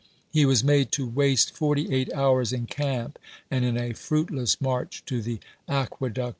He was made to waste forty eight hours in camp and in a fruitless march to the Aque duct bridge.